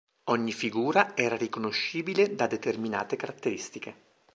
Ogni figura era riconoscibile da determinate caratteristiche.